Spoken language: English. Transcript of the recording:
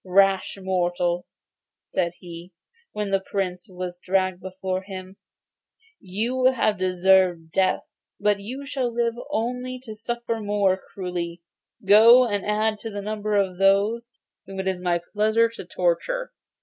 'Rash mortal,' said he, when the Prince was dragged before him, 'you have deserved death, but you shall live only to suffer more cruelly. Go, and add to the number of those whom it is my pleasure to torture.